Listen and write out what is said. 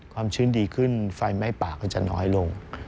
ชื้นดีขึ้นไฟไหม้ปากก็จะน้อยลง